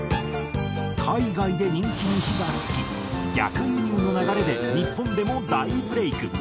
海外で人気に火が付き逆輸入の流れで日本でも大ブレイク。